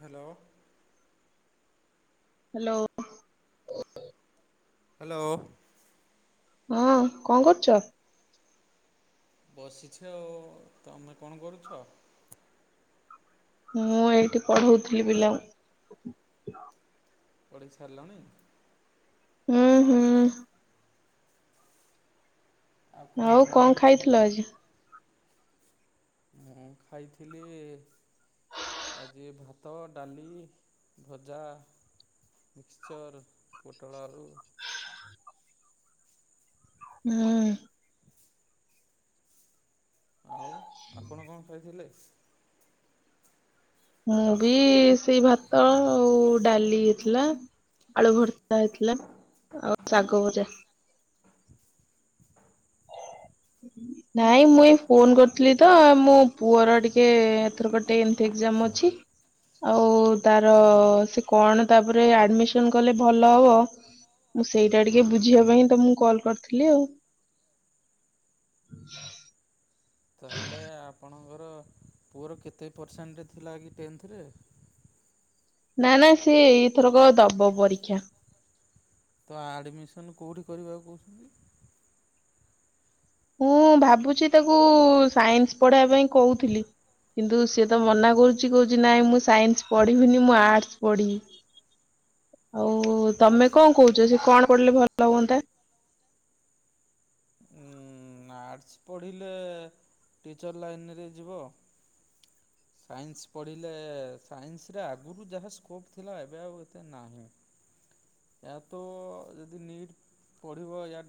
Hello. Hello. Hello. ହଁ କଣ କରୁଛ? ବସିଛ ଆଉ, ତମେ କଣ କରୁଛ? ମୁଁ ଏଇଠି ପଢ଼ଉଥିଲି ପିଲାଙ୍କୁ। ପଢେଇ ସାରିଲଣି? ଉଁ ହୁଁ। ଆଉ କଣ ଖାଇଥିଲ ଆଜି? ମୁଁ ଖାଇଥିଲି ଆଜି ଭାତ, ଡାଲି, ଭଜା। ମିକଶ୍ଚର୍, ପୋଟଳ ଆଳୁ। [inaudible] ହୁଁ। ଆଉ ଆପଣ କଣ ଖାଇଥିଲେ? ମୁଁ ବି ସେଇ ଭାତ ଆଉ ଡାଲି ଥିଲା। ଆଳୁ ଭର୍ତା ହେଇଥିଲା ଆଉ ଶାଗ ଭଜା। ନାଇଁ ମୁଁ ଏ ଫୋନ ଆଉ କରିଥିଲି ତ ମୁଁ ପୁଅର ଟିକେ ଏଥରକ ଟେନ୍ଥ ଏକ୍ଜାମ ଅଛି ଆଉ ତାର ଆଜ୍ଞା କଣ ତାପରେ ଆଡ଼ମିସନ କଲେ ଭଲ ହବ? ମୁଁ ସେଇଟା ଟିକେ ବୁଝିବା ପାଇଁ ତମକୁ କଲ୍ କରିଥିଲି ଆଉ। [inaudible] ତାହେଲେ ଆପଣଙ୍କର ପୁଅର କେତେ ପରସେଣ୍ଟ ଥିଲା କି ଟେନ୍ଥରେ? ନା ନା ସିଏ ଏଇଥରକ ଦବ ପରୀକ୍ଷା। ତ ଆଡ଼ମିସନ୍ କେଉଁଠି କରିବାକୁ କହୁଛନ୍ତି? ମୁଁ ଭାବୁଛି ତାକୁ ସାଇନ୍ସ ପଢେଇବା ପାଇଁ କହୁଥିଲି କିନ୍ତୁ ସେ ତ ମନା କରୁଛି କହୁଛି ନାଇଁ ମୁଁ ସାଇନ୍ସ ପଢିବିନି ମୁଁ ଆର୍ଟସ ପଢିବି। ଆଉ ତମେ ଆର୍ଟସ୍ କଣ କହୁଛ ସେ କଣ ପଢ଼ିଲେ ଭଲ ହୁଅନ୍ତା? ଉଁ ଆର୍ଟସ୍ ପଢ଼ିଲେ ଟିଚର୍ ଲାଇନରେ ଯିବ। ସାଇନ୍ସ ପଢ଼ିଲେ ସାଇନ୍ସରେ ଆଗରୁ ଯାହା ସ୍କୋପ୍ ଥିଲା ଏବେ ଆଉ ଏତେ ନାହିଁ? ୟା ତ ଯଦି ନୀଟ୍ ପଢ଼ିବ ୟା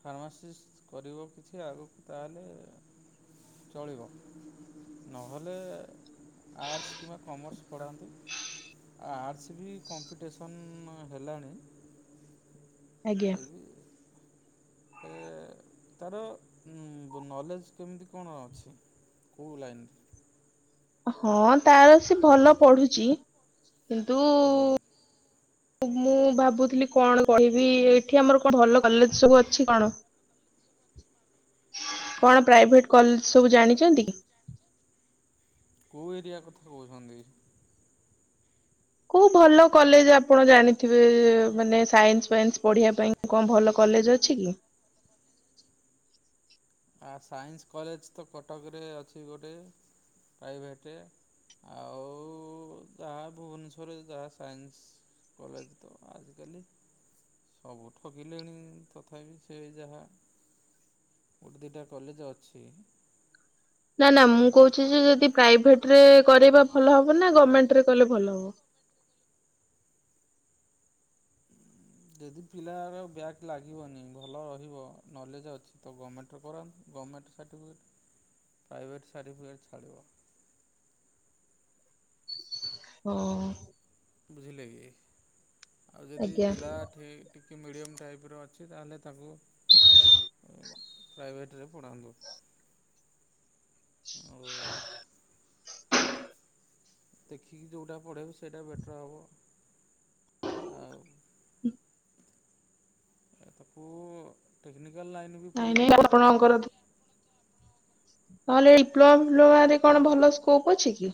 ଫାର୍ମାସିଷ୍ଟ କରିବ କିଛି ଆଗକୁ ତାହେଲେ। ଚଳିବ। ନହେଲେ ଆର୍ଟସ୍ କିମ୍ବା କମର୍ସ ପଢ଼ାନ୍ତୁ। ଆର୍ଟସ ବି କମ୍ପିଟିସନ୍ ହେଲାଣି। ଆଜ୍ଞା ଫେର୍ ବି ଏ ତାର ନଲେଜ୍ କେମିତି କଣ ଅଛି? କୋଉ ଲାଇନ୍ ରେ? ହଁ ତାର ସେ ଭଲ ପଢୁଛି କିନ୍ତୁ [inaudible] ମୁଁ ଭାବୁଥିଲି କଣ କହିବି ଏଠି ଆମର କଣ ଭଲ କଲେଜ ସବୁ ଅଛି କଣ? [inaudible] କଣ ପ୍ରାଇଭେଟ କଲେଜ ସବୁ ଜାଣିଛନ୍ତି କି? କୋଉ ଏରିଆ କଥା କହୁଛନ୍ତି? କୋଉ ଭଲ କଲେଜ ଆପଣ ଜାଣିଥିବେ ଏ ମାନେ ସାଇନ୍ସ ଫାଇନ୍ସ ପଢିବା ପାଇଁ? କଣ ଭଲ କଲେଜ ଅଛି କି? ଆ ସାଇନ୍ସ କଲେଜ ତ କଟକରେ ଅଛି ଗୋଟେ। ପ୍ରାଇଭେଟ। ଆଉ ଯାହା ଭୁବନେଶ୍ୱରରେ ଯାହା ସାଇନ୍ସ କଲେଜ ତ ଆଜିକାଲି ସବୁ ଠକିଲେଣି ତଥାପି ସେ ଯାହା ଗୋଟେ ଦିଟା କଲେଜ ଅଛି। ନା ନା ମୁଁ କହୁଛି ଯେ ଯଦି ପ୍ରାଇଭେଟ ରେ କରିବା ଭଲ ହବ ନା ଗଭର୍ଣ୍ଣମେଣ୍ଟ ରେ କଲେ ଭଲ ହବ? ଯଦି ଫିଲାହାର ବ୍ୟାକ୍ ଲାଗିବନି, ଭଲ ରହିବ, ନଲେଜ୍ ଅଛି ତ ଗମେଣ୍ଟରେ କରନ୍ତୁ। ଗମେଣ୍ଟ ସାର୍ଟିଫିକେଟ୍, ପ୍ରାଇଭେଟ୍ ସାର୍ଟିଫିକେଟ୍ ଛାଡ଼ିବ। ହଉ। ବୁଝିଲେ କି? ଆଉ ଯଦି ଆଜ୍ଞା। ପିଲା ସେଇ ଟିକେ ମିଡିୟମ ଟାଇପର ଅଛି, ତାହେଲେ ତାକୁ ପ୍ରାଇଭେଟରେ ପଢ଼ାନ୍ତୁ। ଆଉ ଦେଖିକି ଯୋଉଟା ପଢ଼େଇବେ ସେଇଟା ବେଟର୍ ହବ, ଆଉ ଉଁ ଆରେ ତାକୁ ଟେକ୍ନିକାଲ ଲାଇନ୍ ବି ନାଇଁ ନାଇଁ ପୁରଇଲେ ବେଟର୍ ହେବ। ଆପଣଙ୍କର ନହେଲେ ଡିପ୍ଲୋମା ଫିପ୍ଲୋମାରେ କଣ ଭଲ ସ୍କୋପ ଅଛି କି?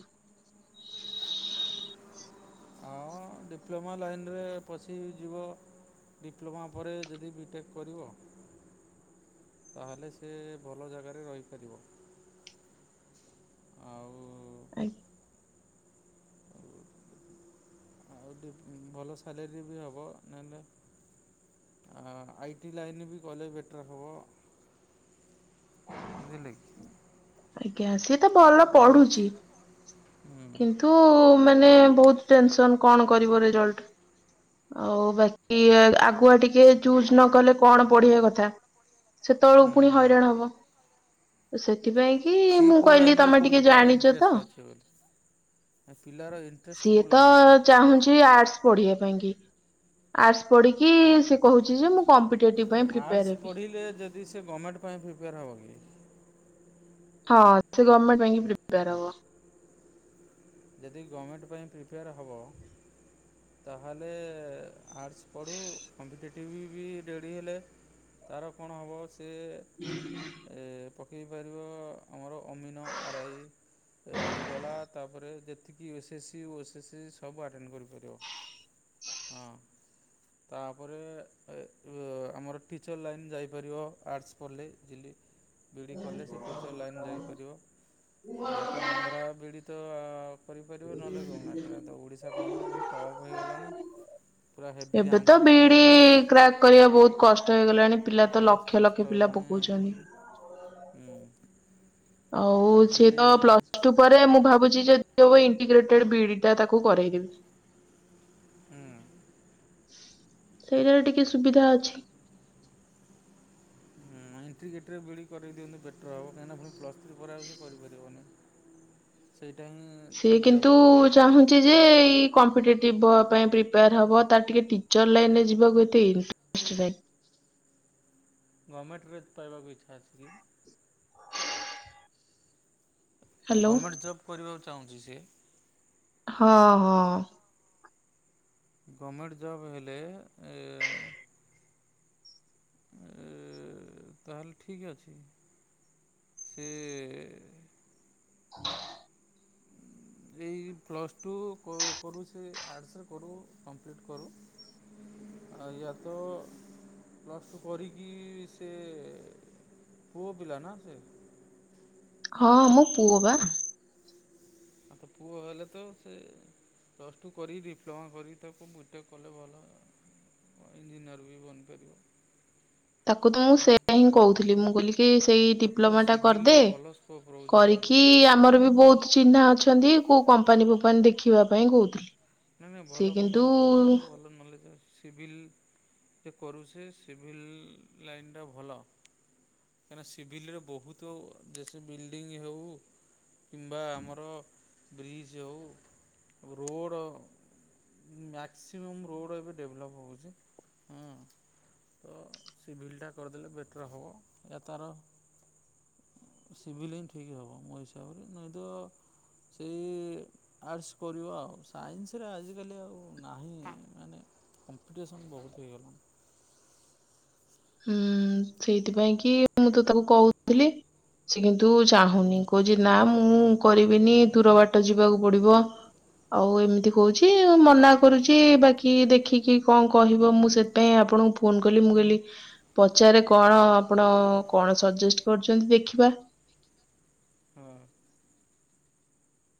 ହଁ, ଡିପ୍ଲୋମା ଲାଇନରେ ପଶିଯିବ ଡିପ୍ଲୋମା ପରେ ଯେଦି ବି ଟେକ୍ କରିବ ତାହେଲେ ସେ ଭଲ ଜାଗାରେ ରହିପାରିବ। ଆଉ ଆଗ୍ ଆଉ ଟିକ ଭଲ ସାଲେରୀ ବି ହେବ, ନହେନେ ଆ ଆଇ ଟି ଲାଇନ୍ ବି ଗଲେ ବେଟର୍ ହବ ବୁଝିଲେ କି? ଆଜ୍ଞା। ସିଏ ତ ଭଲ ଆଉ ଦେଖ ପଢୁଛି, ହୁଁ କିନ୍ତୁ ନ୍ତୁ ମାନେ ବହୁତ ଟେନସନ କଣ କରିବ ରେଜଲ୍ଟ? ଆଉ ବାକି ଆ-ଆଗୁଆ ଟିକେ ଚୁଜ୍ ନ କଲେ କଣ ପଢିବା କଥା ସେତେବେଳକୁ ହୁଁ ପୁଣି ହୁଁ ହଇରାଣ ହବ। ତ ସେଥିପାଇଁ ଇଁକି ସିଏ ମୁଁ କୋଉ କହିଲି ଲାଇନରେ ତମେ ଟିକେ କହୁଛି ତାର ଜାଣିଚ ତ ଇଣ୍ଟରେଷ୍ଟ ଅଛି ବୋଲି ପିଲାର ଇଣ୍ଟରେଷ୍ଟ ସିଏ କୋଉ ତ ଲାଇନରେ ଚାହୁଁଛି ଆର୍ଟ୍ସ ପଢିବା ପାଇଁ କି ଆର୍ଟ୍ସ ପଢିକି, ସିଏ କହୁଛି ଯେ ମୁଁ କମ୍ପିଟେଟିଭ ପାଇଁ ପ୍ରିପେୟାର ହେବି। ଯି ସେ ଗମେଣ୍ଟ ପାଇଁ ପ୍ରିପେୟାର ହବ କି? ହଁ, ସିଏ ଗମେଣ୍ଟ ପାଇଁକି ପ୍ରିପେୟାର ହବ। [unintelligible] ଯେଦି ଗମେଣ୍ଟ ପାଇଁ ପ୍ରିଫେୟାର୍ ହବ, ତାହେଲେ ଆର୍ଟସ୍ ପଢ଼ୁ। କମ୍ପିଟେଟିଭ୍ ବି ରେଡ଼ି ହେଲେ ତାର କଣ ହବ ସିଏ [unintelligible] ଏ ପକେଇ ପାରିବ ଆମର ଅମିନ, ଆରାଇ ଏ ହେଇଗଲା, ତାପରେ ଯେତିକି ଏସ୍ ଏସ୍ ସି ଓ ଏସ୍ ଏସ୍ ସି ସବୁ ଆଟେଣ୍ଡ କରିପାରିବ। ହଁ। ତାପରେ ଏ ଉ ଆମର ଟିଚର୍ ଲାଇନ୍ ଯାଇପାରିବ ଆର୍ଟସ୍ ପଢ଼ିଲେ, ଯିଲି [unintelligible] ବି ଡ଼ି କଲେ ସେ ଟିଚର୍ ଲାଇନ୍ ଯାଇପାରିବ। ଏୟା ତ ଆନ୍ଧ୍ରା ବି ଡ଼ି ତ କରିପାରିବୁ ନହେଲେ ଗମେଣ୍ଟରେ। ତ ଓଡ଼ିଶା ଗମେଣ୍ଟ ବହୁତ ଟପ୍ ହେଇଗଲାଣି ପୁରା ହେଭିି ରିୟାଙ୍କ କଣ୍ଟେଷ୍ଟ ରୀ କରିବା ବହୁତ କଷ୍ଟ ହେଇଗଲାଣି, ପିଲା ତ ବହୁତ ଲକ୍ଷ କଷ୍ଟ ଲକ୍ଷ ପିଲା ହେଲାଣି ପକଉଛନ୍ତି। ହୁଁ। ଆଉ ସିଏ ତ ପ୍ଲସ ଟୁ ପରେ ମୁଁ ଭାବୁଛି ଯେ ଯଦି ହବ ଇଣ୍ଟିଗ୍ରେଟେଡ ବି ଇଡିଟା ତାକୁ ହୁଁ କରାଇଦବି। ସେଇଟାରେ ଟିକେ ସୁବିଧା ଅଛି। ହୁଁ। ହଁ, ଇଣ୍ଟିଗ୍ରେଟେଡ ବି ଇଡ଼ି କରାଇ ଦିଅନ୍ତୁ ବେଟର୍ ହେବ। କାହିଁକିନା ପୁଣି ପ୍ଲସ ଥ୍ରି ପରେ ଆଉ ସେ କରିପାରିବନି। ସେଇଟା ହିଁ ସିଏ ଠିକ୍ ହେବ କିନ୍ତୁ ଚାହୁଁଛି ଯେ, ଏଇ କମ୍ପିଟେଟିଭ ବଆ ପାଇଁ ପ୍ରପେୟାର। ହବ, ତାର ଟିକେ ଟିଚର୍ ଲାଇନରେ ଯିବାକୁ ଏତେ ଇଣ୍ଟ୍ରେଷ୍ଟ ନାହିଁ। ଗମେଣ୍ଟରେ ପାଇବାକୁ ଇଚ୍ଛା ଅଛି କି? ହ୍ୟାଲୋ ଗମେଟ୍ ଜବ୍ କରିବାକୁ ଚାହୁଁଚି ସିଏ? ହଁ-ହଁ। ଗମେଟ୍ ଜବ୍ ହେଲେ ଏ ଏ ତାହେଲେ ଠିକ୍ ଅଛି। [unintelligible] ହ। [unintelligible] ଏଇ ପ୍ଲସ୍ ଟୁ କରୁ ସେ ଆର୍ଟ୍ସ୍ ରେ କରୁ କମ୍ପ୍ଲିଟ କରୁ। ଆ ୟା ତ ପ୍ଲସ ଟୁ କରିକି ସେ ପୁଅ ପିଲା ନା ସେ? ହଁ ମୋ ପୁଅ ବା। ଆ ତ ପୁଅ ହେଲେ ତ ସେ ପ୍ଲସ୍ ଟୁ କରି ଡିପ୍ଲୋମା କରି ତାକୁ ବିଟେକ୍ କଲେ ଭଲ। ଇଞ୍ଜିନିୟର ବି ବନିପାରିବ। ତାକୁ ତ ମୁଁ ହଁ ସେୟା ହିଁ କହୁଥିଲି, ମୁଁ କଇଲି କି ସେଇ ତାକୁ ଡିପ୍ଲୋମା ଟା କରିଦେ, ସିଭିଲରେ ଭଲ ସ୍କୋପ୍ ରହୁଛି କରିକି ଆଜିକାଲି। ଆମର ବି ବହୁତ୍ ଚିହ୍ନା ଅଛ ଅଛନ୍ତି କୋଉ କମ୍ପାନୀ ଫପାନୀ ଦେଖିବା ପାଇଁ କହୁଥିଲି। ନାଇଁ-ନାଇଁ ସିଏ ଭଲ କିନ୍ତୁ କମ୍ପାନୀ ଉଁ ପଶିଯିବ ଭଲ ନଲେଜ୍ ଅଛି। ସିଭିଲ୍ ସେ କରୁସେ ସିଭିଲ୍ ଲାଇନ୍ଟା ଭଲ। କାଇଁନା ସିଭିଲ୍ ରେ ବହୁତୁ ଯେସେ ବିଲ୍ଡିଙ୍ଗ ହେଉ କିମ୍ବା ଆମର ବ୍ରିଜ୍ ହେଉ ରୋଡ଼। ମ୍ୟାକ୍ସିମମ୍ ରୋଡ଼ ଏବେ ଡେଭଲପ୍ ହେଉଚି। ତ ସିଭିଲ୍ଟା କରିଦେଲେ ବେଟର୍ ହବ, ୟା ତାର ସିଭିଲ୍ ହିଁ ଠିକ୍ ହବ ମୋ ହିସାବରେ, ନାଇଁ ତ ସେଇ ଆର୍ଟ୍ସ୍ କରିବ ଆଉ, ସାଇନ୍ସ ରେ ଆଜିକାଲି ଆଉ ନାହିଁ ମାନେ କମ୍ପିଟେସନ୍ ବହୁତ୍ ହେଇଗଲାଣି। ହୁଁ ସେଇଥିପାଇଁ କି ମୁଁ ତ ତାକୁ କହୁଥିଲି ସେ କିନ୍ତୁ ଚାହୁଁନି, କହୁଚି ନା ମୁଁ କରିବିନି ଦୂର ବାଟ ଯିବାକୁ ପଡିବ। ଆଉ ଏମିତି କହୁଛି ମନା କରୁଚି ବାକି ଦେଖିକି କଣ କହିବ ମୁଁ ସେ ଥି ପାଇଁ ଆପଣଙ୍କୁ ଫୋନ୍ କଲି ମୁଁ କହଲି ପଚାରେ କଣ ଆପଣ କଣ ସଜେଷ୍ଟ କରୁଚନ୍ତି ଦେଖିବା। ହଁ।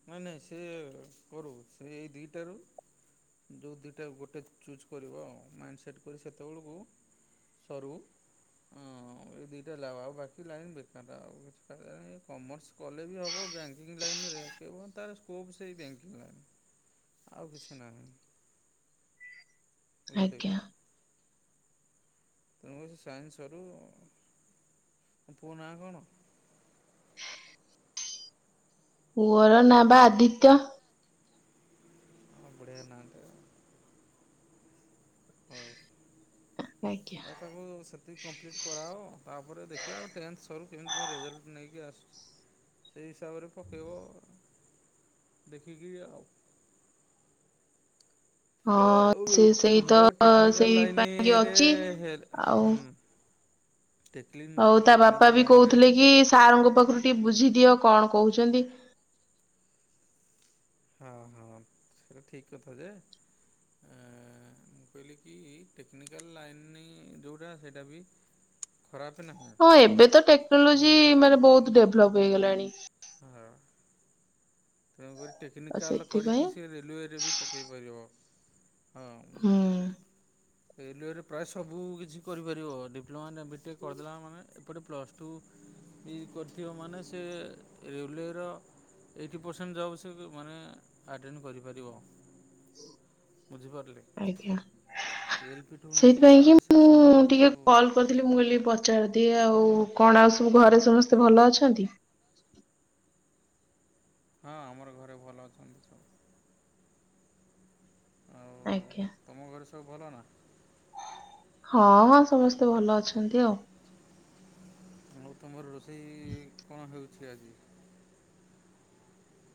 ନାଇଁ-ନାଇଁ ସେ କରୁ, ସେ ଏଇ ଦି ଟାରୁ ଯେଉଁ ଦିଟା ଗୋଟେ ଚୁଜ୍ କରିବ ଆଉ ମାଇଣ୍ଡ ସେଟ୍ କରି ସେତବଳକୁ ସରୁ। ହଁ ଏ ଦିଟା ଲାଭ ଆଉ ବାକି ଲାଇନ୍ ବେକାର ଆଉ କିଛି ଫାଇଦା ନାହିଁ, ଏ କମର୍ସ କଲେ ବି ହବ ବ୍ୟାଙ୍କିଙ୍ଗ୍ ଲାଇନ୍ ରେ। କେବଳ ତାର ସ୍କୋପ୍ ସେଇ ବ୍ୟାଙ୍କିଙ୍ଗ ଲାଇନ୍ ଆଉ କିଛି ନାହିଁ। ବୁଝିଲେ କି ଆଜ୍ଞା। ତେଣୁ ସେ ସାଇନ୍ସ ସରୁ, ପୁଅ ନା କଣ? ପୁଅର ନାଁ ବା ଆଦିତ୍ୟ। ହଁ ବଢିଆ ନାଁ ଟେ ଆଉ। ହଉ ଆଜ୍ଞା ଆଉ ତାକୁ ସେତିକି କମ୍ପ୍ଲିଟ୍ କରାଅ ତାପରେ ଦେଖିବା ଟେନ୍ଥ ସରୁ କେମିତି କଣ ରେଜଲ୍ଟ ନେଇକି ଆସୁ ସେଇ ହିସାବରେ ପକେଇବ ଦେଖିକି ଆଉ। ହଁ ସେ ସେଇ ତ ଆମର ଟେକ୍ନିକାଲ ସେଇ ପାଇଁ ଲାଇନରେ ଅଛି। ହେଲେ ଆଉ ହୁଁ। ଟେକ୍ଲିନ ଆଉ ତା ବାପା ଟେକ୍ନିକାଲ୍ ବି ଲାଇନରେ କହୁଥିଲେ କି ସାର ଙ୍କ ପାଖରୁ ଟିକେ ବୁଝି ଦିଅ କଣ କହୁଚନ୍ତି। ହଁ-ହଁ ସେଟା ଠିକ୍ କଥା ଯେ। ଏଁ, ମୁଁ କହିଲି କି ଟେକ୍ନିକାଲ ଲାଇନ୍ ନେଇ ଯୋଉଟା ସେଟା ବି ଖରାପ ନାହିଁ। ହଁ ଏବେ ତ ଟେକ୍ନୋଲୋଜି ହଁ ମାନେ ବହୁତୁ ଡେଭଲପ୍ ହେଇଗଲାଣି। ହଁ। ତାପରେ ଆଉ ଟେକ୍ନିକାଲ୍ ସେଥିପାଇଁ କରିକି ସେ ରେଲୱେ ରେ ବି ପକେଇ ପାରିବ। ହଁ, ହୁଁ ରେଲୱେ ରେ ପ୍ରାୟ ସବୁ କିଛି କରିପାରିବ। ଡିପ୍ଲୋମା ନେ ବିଟେକ୍ କରିଦେଲା ମାନେ ଏପଟେ ପ୍ଲସ୍ ଟୁ ବି କରିଥିବ ମାନେ ସେ ରେଲୱେ ର [inaudible] ପରସେଣ୍ଟ୍ ଯା ହଉ ସିଏ ବି ମାନେ ଆଟେଣ୍ଡ କରିପାରିବ। ବୁଝିପାରିଲେ? ଆଜ୍ଞା। ଏଲ ପି ଠୁ ନେଇକି ସେଇଥିପାଇଁ କି ଟୋଟାଲ୍ ମୁଁ ସେକ୍ସନ୍ ଠୁ ଟିକେ ସବୁ କଲ୍ କରିଥିଲି ମୁଁ କହିଲି ପଚାରି ଦିଏ, ଆଉ କଣ ଆଉ ସବୁ ଘରେ ସମସ୍ତେ ଭଲ ଅଛନ୍ତି? ହଁ ଆମର ଘରେ ଭଲ ଅଛନ୍ତି ସବୁ ଆଉ ଆଜ୍ଞା। ତୋମ ଘରେ ସବୁ ଭଲ ନା? ହଁ, ହଁ ସମସ୍ତେ ଭଲ ଅଛନ୍ତି ଆଉ। ମୁଁ ତୋମର ରୋଷେଇ କଣ ହେଉଛି ଆଜି?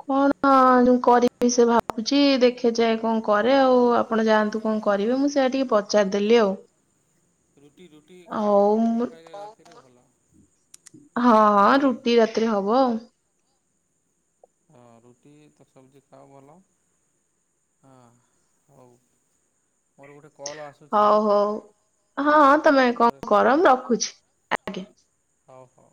କଣ ଯୋଉ କରିବି ସେ ଭାବୁଛି, ଦେଖେ ଯାଏ କଣ କରେ ଆଉ, ଆ ଆପଣ ଯାଆନ୍ତୁ କଣ କରିବେ ମୁଁ ସେଇଆା ଟିକେ ପଚାରିଦେଲି ଆଉ। ରୁଟି ରୁଟି ଖାଅ ହଉ ରୁଟି ମୁଁ ଖାଇଲେ ରାତିରେ ଭଲ। ବୁଝିଲେ କି? ଥିରେ ହବ। ହଁ ରୁଟି ତ ସବଜି ଖାଅ ଭଲ। ହଁ ହଉ। ମୋର ଗୋଟେ କଲ୍ ଆସୁଛି, ଆଉ ହଉ ହଉ। ମୁଁ ଟିକେ ହଁ ତମେ ରଖୁଛି ପରେ କଣ କର କଥା ମୁଁ ରଖୁଛି ଆଜ୍ଞା। ହଉ ହୋ।